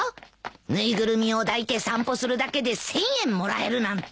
縫いぐるみを抱いて散歩するだけで１，０００円もらえるなんて。